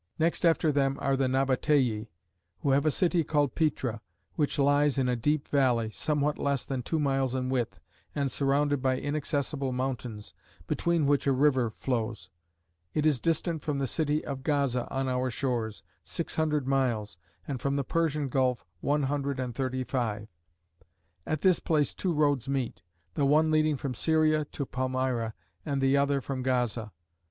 Next after them are the Nabatsei, who have a city called Petra,'^ which lies in a deep vaUey, somewhat less than two miles in width, and surrounded by inaccessible mountains, between which a river Hows : it is distant from the city of Gaza, on our shores, six hundred miles, and from the Persian Gulf one hundred and thirty five. At this place two roads meet, the one leading from Syria to Palmyra, and the other from Gaza.